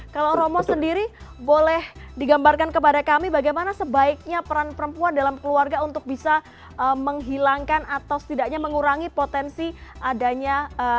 kalau romo sendiri boleh digambarkan kepada kami bagaimana sebaiknya peran perempuan dalam keluarga untuk bisa menghilangkan atau setidaknya mengurangi potensi adanya